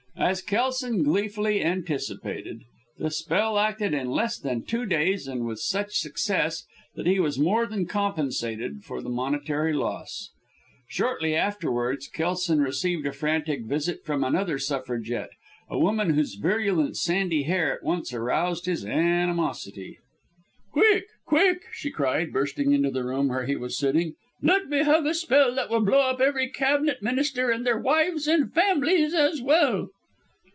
As Kelson gleefully anticipated, the spell acted in less than two days, and with such success, that he was more than compensated for the monetary loss. Shortly afterwards, Kelson received a frantic visit from another Suffragette a woman whose virulent sandy hair at once aroused his animosity. "Quick! Quick!" she cried, bursting into the room where he was sitting. "Let me have a spell that will blow up every Cabinet Minister, and their wives and families as well."